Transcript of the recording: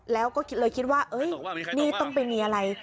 แล้วก็เลยคิดว่านี่ต้องไปมีอะไร